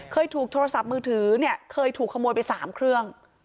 เคยถูกโทรศัพท์มือถือเนี่ยเคยถูกขโมยไป๓เครื่อง